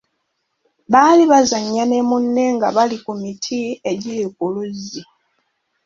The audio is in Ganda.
Baali bazannya ne munne nga bali ku miti egiri ku luzzi.